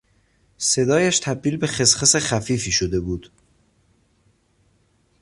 صدایش تبدیل به خسخس خفیفی شده بود.